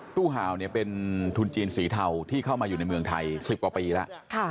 ตู้ห่าวเป็นทุนจีนสีเทาที่เข้ามาอยู่ในเมืองไทย๑๐กว่าปีแล้ว